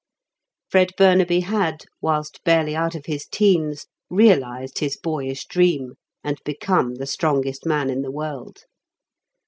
Fred Burnaby had, whilst barely out of his teens, realised his boyish dream, and become the strongest man in the world.